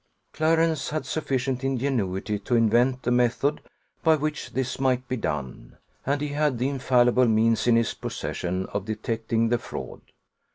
Clarence had sufficient ingenuity to invent the method by which this might be done; and he had the infallible means in his possession of detecting the fraud.